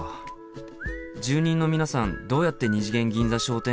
住人の皆さんどうやって二次元銀座商店街を歩いてるんですか？